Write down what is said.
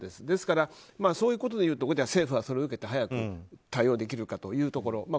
ですから、そういうことでいうと政府がそれを受けて早く対応できるかというところ。